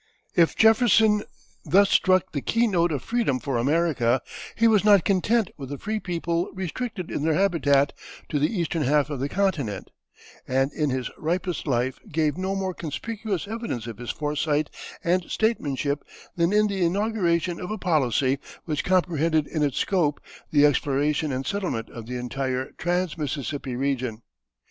If Jefferson thus struck the keynote of freedom for America, he was not content with a free people restricted in their habitat to the eastern half of the continent, and in his ripest life gave no more conspicuous evidence of his foresight and statesmanship than in the inauguration of a policy which comprehended in its scope the exploration and settlement of the entire trans Mississippi region.